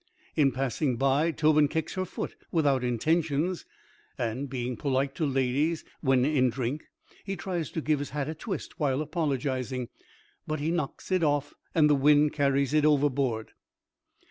In passing by, Tobin kicks her foot without intentions, and, being polite to ladies when in drink, he tries to give his hat a twist while apologising. But he knocks it off, and the wind carries it overboard.